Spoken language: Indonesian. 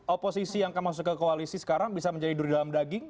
oposisi yang akan masuk ke koalisi sekarang bisa menjadi dari dalam daging